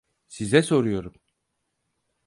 Size soruyorum.